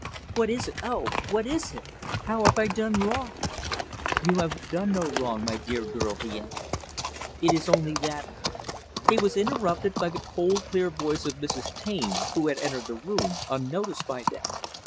"What is it, oh, what is it? How have I done wrong?" "You have done no wrong, my dear girl," he answered "It is only that " He was interrupted by the cold, clear voice of Mrs. Taine, who had entered the room, unnoticed by them.